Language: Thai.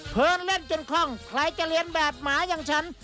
เพลินเล่นเกินข้องใครจะเรียนแบบหมาอย่างฉัน